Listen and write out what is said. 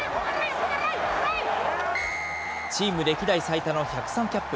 チーム歴代最多の１０３キャップ。